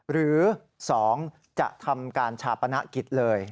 หรือ๒จะทำการชาปนกิจเลย